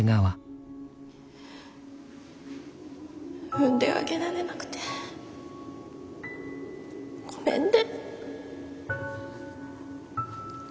産んであげられなくてごめんね。